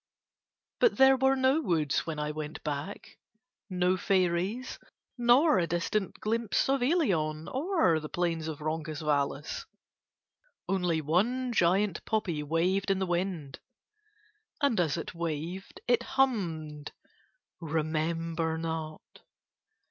But there were no woods when I went back, no fairies nor distant glimpse of Ilion or plains of Roncesvalles, only one giant poppy waved in the wind, and as it waved it hummed "Remember not."